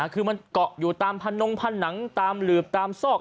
คือมันเกาะอยู่ตามพนงผนังตามหลืบตามซอก